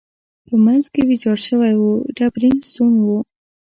په منځ کې ویجاړ شوی و، ډبرین ستون یې.